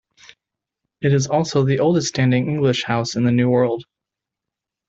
It is also the oldest standing English house in the New World.